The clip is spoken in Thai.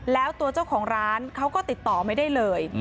แล้วตัวเจ้าของร้านเขาก็ติดต่อไม่ได้เลย